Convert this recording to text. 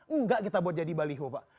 enggak kita buat jadi baliho pak